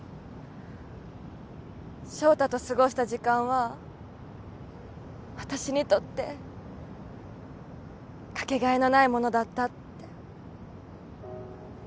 翔太と過ごした時間は私にとって掛け替えのないものだったって。